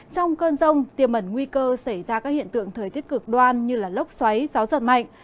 trong cơn rông tiềm ẩn nguy cơ xảy ra các hiện tượng thời tiết cực đoan như lốc xoáy gió giật mạnh